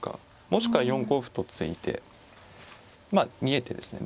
もしくは４五歩と突いてまあ逃げてですね